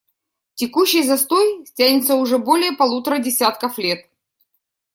Текущий застой тянется уже более полутора десятков лет.